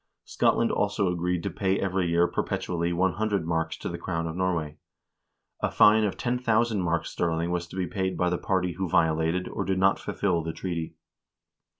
Scotland also agreed to pay every year perpetually 100 marks to the crown of Norway. A fine of 10,000 marks sterling was to be paid by the party who violated, or did not fulfill, the treaty.